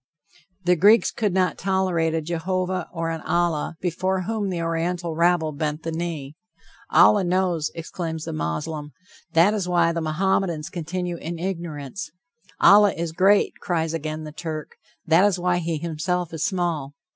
The Greeks could not tolerate a Jehovah, or an Allah, before whom the Oriental rabble bent the knee. "Allah knows," exclaims the Moslem; that is why the Mohammedans continue in ignorance. "Allah is great," cries again the Turk. That is why he himself is small.